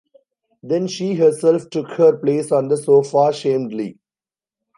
Then she herself took her place on the sofa, shamedly.